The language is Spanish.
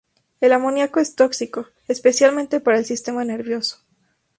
El amoníaco es tóxico, especialmente para el sistema nervioso.